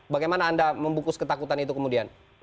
bagaimana anda membungkus ketakutan itu kemudian